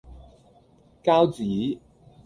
膠紙